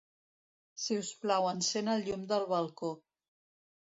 Si us plau, encén el llum del balcó.